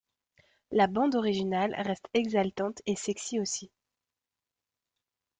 La bande originale reste exaltante et sexy aussi.